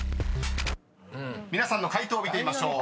［皆さんの解答を見てみましょう。